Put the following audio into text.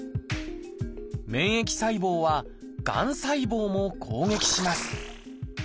免疫細胞はがん細胞も攻撃します。